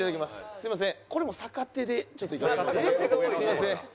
すみません。